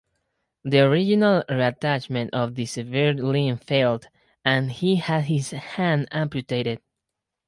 The original reattachment of the severed limb failed, and he had his hand amputated.